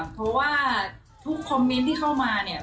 เกินคาดเลยค่ะเพราะว่าทุกคอมเม้นท์ที่เข้ามาเนี่ย